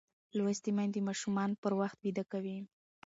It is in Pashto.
لوستې میندې ماشومان پر وخت ویده کوي.